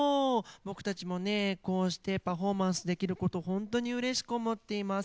僕たちもねこうしてパフォーマンスできること本当にうれしく思っています。